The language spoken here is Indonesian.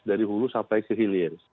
dari hulu sampai ke hilir